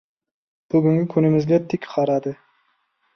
Bugungi kunimizga tik qaradi.